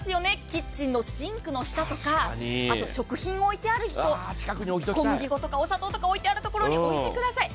キッチンのシンクの下とか食品を置いてあるところ、小麦粉とかお砂糖を置いてあるところに置いてください。